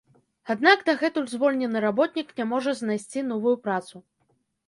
Аднак дагэтуль звольнены работнік не можа знайсці новую працу.